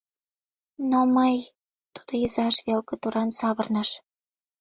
Но мый... — тудо изаж велке туран савырныш.